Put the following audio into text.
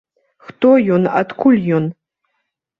Хто ён, адкуль ён?